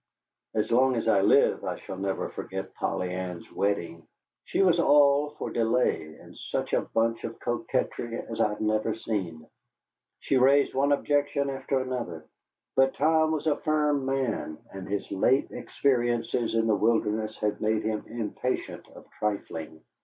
As long as I live I shall never forget Polly Ann's wedding. She was all for delay, and such a bunch of coquetry as I have never seen. She raised one objection after another; but Tom was a firm man, and his late experiences in the wilderness had made him impatient of trifling.